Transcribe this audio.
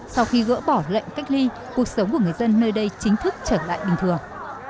sau khi gỡ bỏ lệnh cách ly cuộc sống của người dân nơi đây chính thức trở lại bình thường